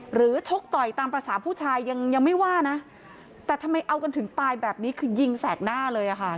ชกต่อยตามภาษาผู้ชายยังยังไม่ว่านะแต่ทำไมเอากันถึงตายแบบนี้คือยิงแสกหน้าเลยอะค่ะ